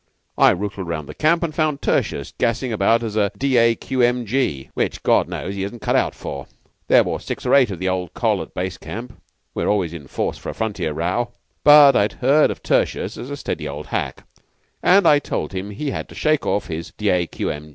I rootled round the camp, and found Tertius gassing about as a D.A.Q.M.G., which, God knows, he isn't cut out for. There were six or eight of the old Coll. at base camp (we're always in force for a frontier row), but I'd heard of Tertius as a steady old hack, and I told him he had to shake off his D.A.Q.M.